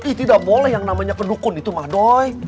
iya tidak boleh yang namanya kedukun itu mah doi